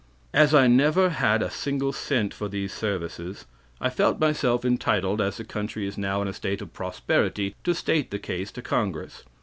"As I never had a single cent for these services, I felt myself entitled, as the country is now in a state of prosperity, to state the case to congress.